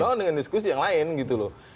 kalau dengan diskusi yang lain gitu loh